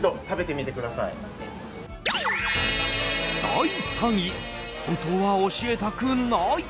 第３位、本当は教えたくない！